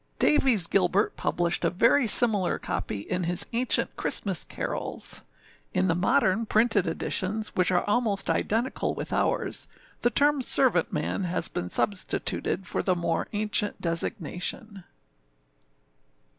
Davies Gilbert published a very similar copy in his Ancient Christmas Carols. In the modern printed editions, which are almost identical with ours, the term âservantmanâ has been substituted for the more ancient designation.